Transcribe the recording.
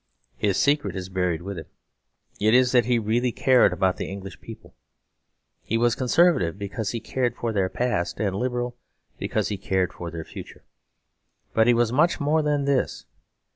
His secret is buried with him; it is that he really cared about the English people. He was conservative because he cared for their past, and liberal because he cared for their future. But he was much more than this.